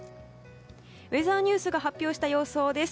ウェザーニューズが発表した予想です。